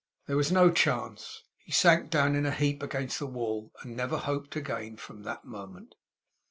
There was no chance. He sank down in a heap against the wall, and never hoped again from that moment.